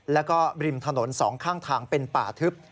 แล้วก็ริมถนนสองข้างทางเป็นป่าทึบ